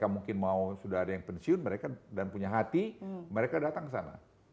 mungkin mau sudah ada yang pensiun mereka dan punya hati mereka datang ke sana